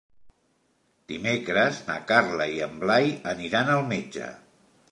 Dimecres na Carla i en Blai aniran al metge.